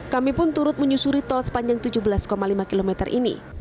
kami pun turut menyusuri tol sepanjang tujuh belas lima km ini